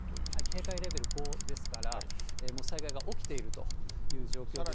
警戒レベル５ですから、もう災害が起きているという状況ですが。